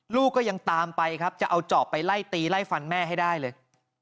ลูกก็ยังตามไปครับจะเอาจอบไปไล่ตีไล่ฟันแม่ให้ได้เลย